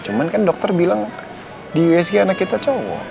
cuma kan dokter bilang di usg anak kita cowok